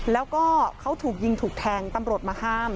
แล้วก็เขาถูกยิงถูกแทงตำรวจมาห้าม